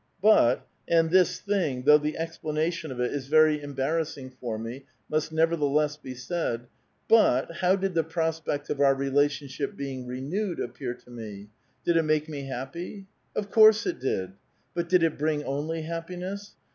*' But (and this thing, though the explanation of it is very embarrassing for me, must nevertheless be said), hvX how did the prospect of our relationship being renewed appear to me? Did it make me happy? Of course it did! But did it bring only happiness